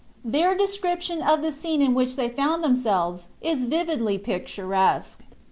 Their description of the scene in which they found themselves is vividly picturesque.